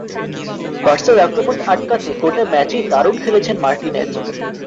বার্সার আক্রমণ আটকাতে গোটা ম্যাচেই দারুণ খেলেছেন মার্টিনেজ।